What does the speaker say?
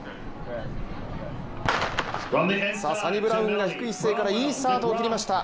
さあ、サニブラウンが低い姿勢からいいスタートを切れました。